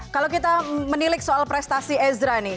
kalau kita menilik soal prestasi ezra nih